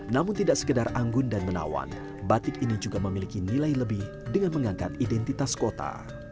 namun tidak sekedar anggun dan menawan batik ini juga memiliki nilai lebih dengan mengangkat identitas kota